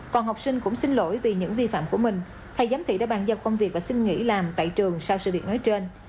còn học sinh cũng xin lỗi vì những vi phạm của mình thầy giám thị đã bàn giao công việc và xin nghỉ làm tại trường sau sự việc nói trên